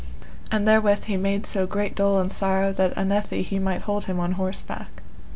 And therewith he made so great dole and sorrow that unnethe he might hold him on horseback.